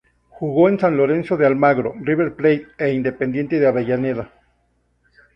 Jugó en San Lorenzo de Almagro, River Plate e Independiente de Avellaneda.